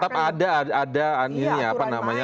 tetap ada ini ya apa namanya aturan mainnya ya